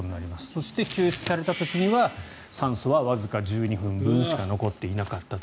そして、救出された時には酸素はわずか１２分分しか残っていなかったと。